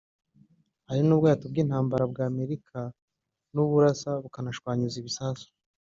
Hari n’ubwato bw’intambara bwa Amerika n’uburasa bukanashwanyuza ibisasu